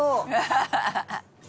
「ハハハハ！」